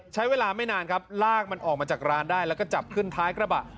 ใช้เวลาไม่นานครับลากมันออกมาจากร้านได้แล้วก็จับขึ้นท้ายกระบะ